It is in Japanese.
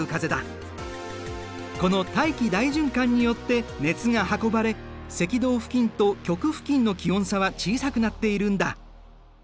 この大気大循環によって熱が運ばれ赤道付近と極付近の気温差は小さくなっているんだ。